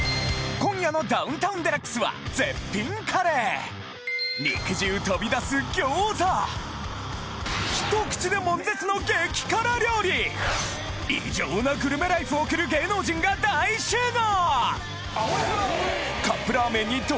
今夜の『ダウンタウンＤＸ』は肉汁飛び出す餃子一口で悶絶の激辛料理異常なグルメライフを送る芸能人が大集合！